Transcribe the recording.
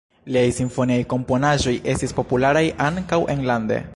Liaj simfoniaj komponaĵoj estis popularaj ankaŭ enlande.